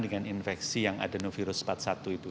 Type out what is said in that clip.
dengan infeksi yang adenovirus empat puluh satu itu